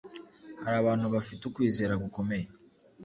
Hari abantu bafite ukwizera gukomeye